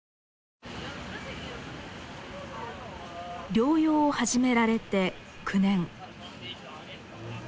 療養を始められて９年。